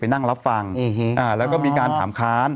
นั่งรับฟังแล้วก็มีการถามค้าน